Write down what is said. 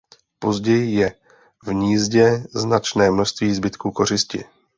Později je v hnízdě značné množství zbytků kořisti.